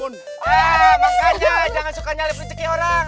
eh makanya jangan suka nyali pencuci orang